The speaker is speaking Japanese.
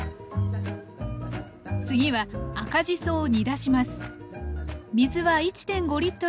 次は赤じそを煮出します